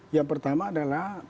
yang pertama adalah pandangan